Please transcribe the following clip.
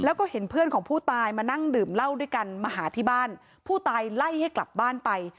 แล้วก็เห็นเพื่อนของผู้ตายมานั่งดื่มเหล้าด้วยกันมาหาที่บ้านผู้ตายไล่ให้กลับบ้านไป